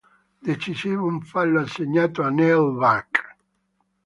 Decisivo un fallo assegnato a Neil Back.